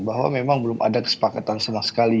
bahwa memang belum ada kesepakatan sama sekali